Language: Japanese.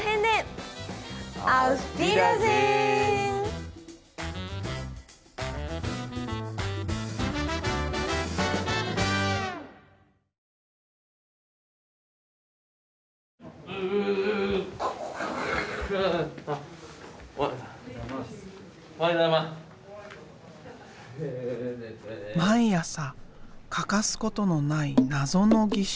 毎朝欠かすことのない謎の儀式。